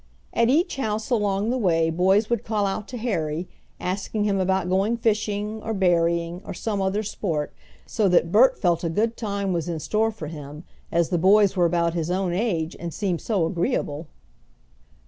At each house along the way boys would call out to Harry, asking him about going fishing, or berrying, or some other sport, so that Bert felt a good time was in store for him, as the boys were about his own age and seemed so agreeable.